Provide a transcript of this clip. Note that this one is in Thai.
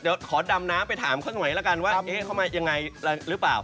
เดี๋ยวขอดำน้ำไปถามแล้วกันว่าเข้าน่ายังไงหรือเปล่า